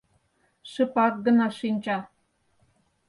Шыпак гына шинча.